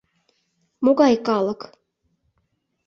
— Могай калык?